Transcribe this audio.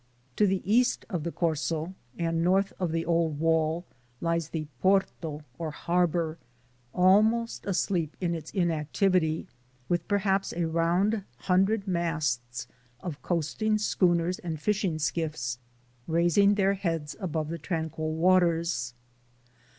To the east of the Corso and north of the old wall, lies the "porto" or ha.rbor, almost asleep in its inactivity, witli perhaps a round hundred masts of coasting schooners and fishing skiffs raising their heads above the tranquil waters.